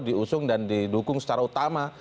diusung dan didukung secara utama